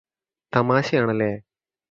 തമാശയാണല്ലേ